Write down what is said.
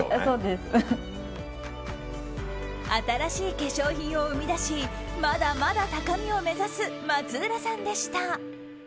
新しい化粧品を生み出しまだまだ高みを目指す松浦さんでした。